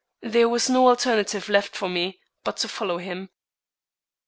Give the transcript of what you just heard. There was no alternative left me but to follow him.